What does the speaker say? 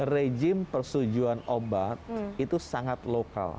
rejim persetujuan obat itu sangat lokal